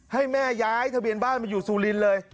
ให้แม่ย้ายทะเบียนบ้านมาอยู่ซูลินเลย